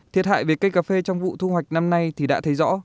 thiệt hại về cây cà phê trong vụ thu hoạch năm nay thì đã thấy rõ